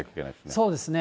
そうですね。